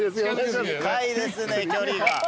近いですね距離が。